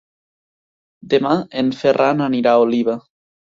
Demà en Ferran anirà a Oliva.